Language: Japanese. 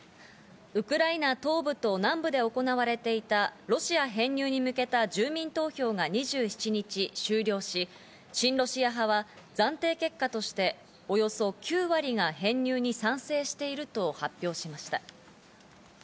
ウクライナ東部と南部で行われていたロシア編入に向けた住民投票が２７日終了し、親ロシア派は暫定結果として、およそ９割が編入に賛成していると発表しました。